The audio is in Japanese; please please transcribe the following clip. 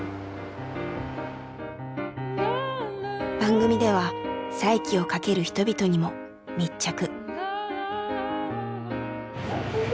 番組では再起をかける人々にも密着。